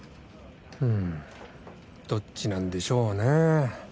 うんどっちなんでしょうね。